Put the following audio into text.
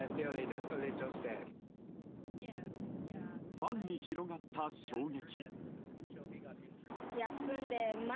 ファンに広がった衝撃。